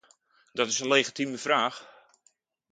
Dat is een legitieme vraag.